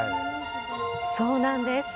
そうなんです。